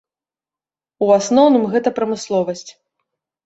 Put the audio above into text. У асноўным гэта прамысловасць.